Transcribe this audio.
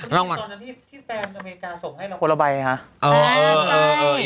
เป็นการที่แฟมอเมริกาส่งมาให้มันคนละใบนะฮะ